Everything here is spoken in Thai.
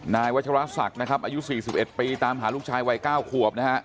นายวัชรศักดิ์อายุ๔๑ปีตามหาลูกชายวัย๙ขวบ